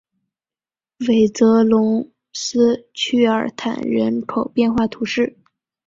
韦泽龙斯屈尔坦人口变化图示